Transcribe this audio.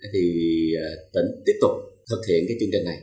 thì tỉnh tiếp tục thực hiện cái chương trình này